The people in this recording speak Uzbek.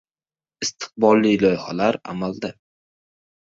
Istiqbolli loyihalar – amalda